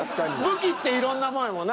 武器っていろんなもんあるもんな。